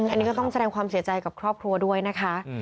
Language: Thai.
อันนี้ก็ต้องแสดงความเสียใจกับครอบครัวด้วยนะคะ